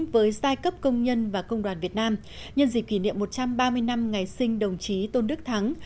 với giai cấp công nhân và công đoàn việt nam nhân dịp kỷ niệm một trăm ba mươi năm ngày sinh đồng chí tôn đức thắng